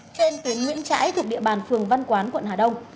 trên tuyến nguyễn trãi thuộc địa bàn phường văn quán quận hà đông